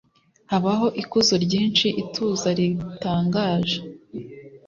Habaho ikuzo ryinshi, ituza ritangaje.